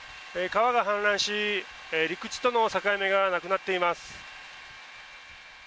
川が氾濫し陸地との境目がなくなっています。